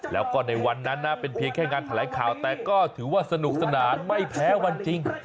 แล้วก็ในวันนั้นนะเป็นเพียงแค่งานแถลงข่าวแต่ก็ถือว่าสนุกสนานไม่แพ้วันจริง